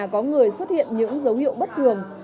có người xuất hiện những dấu hiệu bất thường